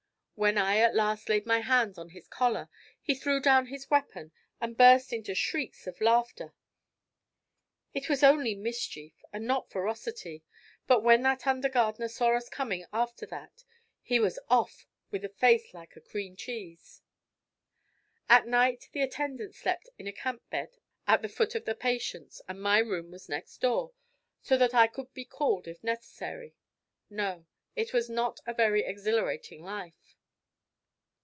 When I at last laid my hand on his collar, he threw down his weapon and burst into shrieks of laughter. It was only mischief and not ferocity; but when that under gardener saw us coming after that he was off with a face like a cream cheese. At night the attendant slept in a camp bed at the foot of the patient's, and my room was next door, so that I could be called if necessary. No, it was not a very exhilarating life!